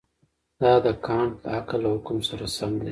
دا د کانټ د عقل له حکم سره سم دی.